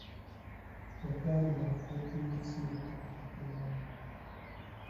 Yatwalibwa mu kkooti y'ensi yonna okuvunaanibwa.